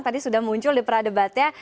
tadi sudah muncul di pradebatnya